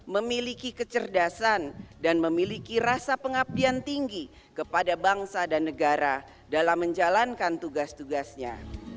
memiliki kecerdasan dan memiliki rasa pengabdian tinggi kepada bangsa dan negara dalam menjalankan tugas tugasnya